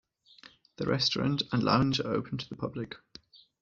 The restaurant and lounge are open to the public.